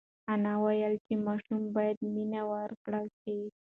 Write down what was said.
انا وویل چې ماشوم ته باید مینه ورکړل شي.